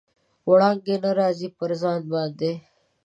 وړانګې نه راځي، پر ځان باندې